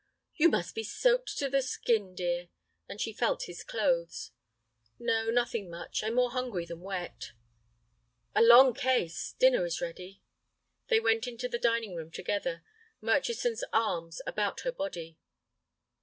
"You must be soaked to the skin, dear," and she felt his clothes. "No, nothing much. I'm more hungry than wet." "A long case. Dinner is ready." They went into the dining room together, Murchison's arm about her body.